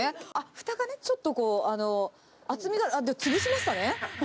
ふたがね、ちょっとこう、厚みが、潰しましたね。